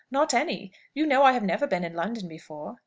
"Not any. You know I have never been in London before."